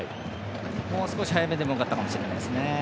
もう少し早めでもよかったかもしれないですね。